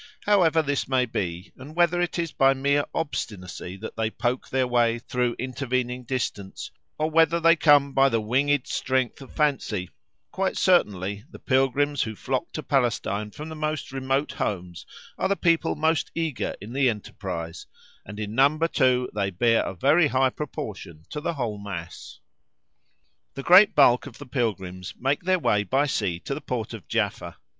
However this may be, and whether it is by mere obstinacy that they poke their way through intervening distance, or whether they come by the winged strength of fancy, quite certainly the pilgrims who flock to Palestine from the most remote homes are the people most eager in the enterprise, and in number too they bear a very high proportion to the whole mass. The great bulk of the pilgrims make their way by sea to the port of Jaffa.